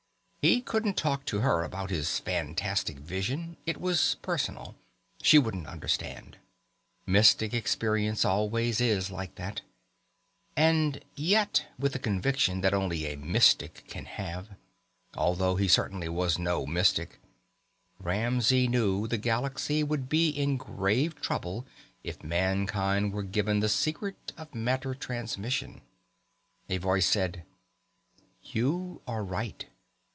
He couldn't talk to her about his fantastic vision. It was personal. She wouldn't understand. Mystic experience always is like that. And yet, with the conviction that only a mystic can have although he certainly was no mystic Ramsey knew the galaxy would be in grave trouble if mankind were given the secret of matter transmission. A voice said: "You are right."